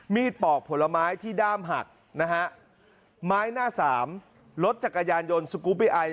ปอกผลไม้ที่ด้ามหักนะฮะไม้หน้าสามรถจักรยานยนต์สกูปปี้ไอ